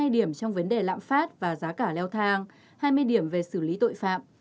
hai điểm trong vấn đề lạm phát và giá cả leo thang hai mươi điểm về xử lý tội phạm